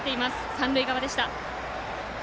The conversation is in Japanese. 三塁側でした。